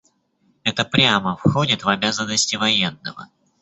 Это прямо входит в обязанности военного.